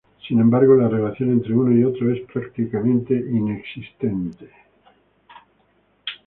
Sin embargo, la relación entre unos y otros es prácticamente inexistente.